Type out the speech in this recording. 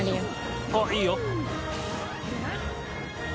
あっいいよ。